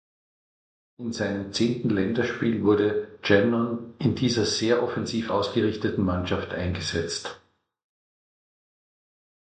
In seinem zehnten Länderspiel wurde Channon in dieser sehr offensiv ausgerichteten Mannschaft eingesetzt.